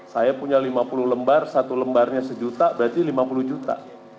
saya punya lima puluh lembar satu lembarnya sejuta berarti lima puluh juta